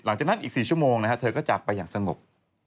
หลังจากนั้นอีก๔ชั่วโมงเธอก็จากไปอย่างสงบ